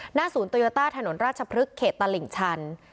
หน้าศูนย์ตอยอต้าถนนราชพลึกเขตตลิ่งชัน